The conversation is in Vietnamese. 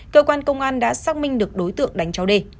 cơ quan công an đã xác minh được đối tượng đánh cháu đê